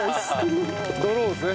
ドローですね。